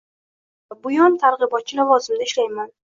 Mana, buyon targ‘ibotchi lavozimida ishlayapman.